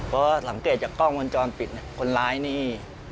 เพราะสังเกตจากกล้องวงจรปิดคนร้ายนี่